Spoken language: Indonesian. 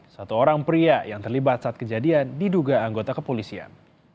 satu orang pria yang terlibat saat kejadian diduga anggota kepolisian